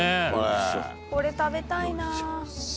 これ食べたいな。